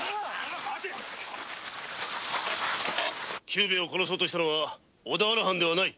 久兵ヱを殺そうとしたのは小田原藩ではない。